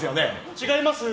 違います。